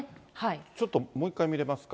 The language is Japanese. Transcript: ちょっと、もう一回見れますか。